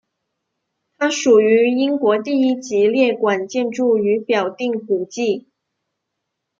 它属于英国第一级列管建筑与表定古迹。